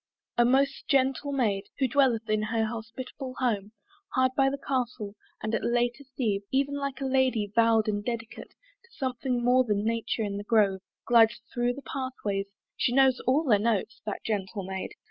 A most gentle maid Who dwelleth in her hospitable home Hard by the Castle, and at latest eve, (Even like a Lady vow'd and dedicate To something more than nature in the grove) Glides thro' the pathways; she knows all their notes, That gentle Maid!